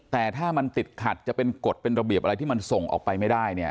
แต่ถ้ามันติดขัดจะเป็นกฎเป็นระเบียบอะไรที่มันส่งออกไปไม่ได้เนี่ย